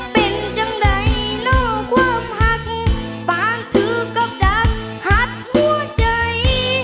เป็นจังใดนอกความหักบางเธอก็ดันหัดหัวใจ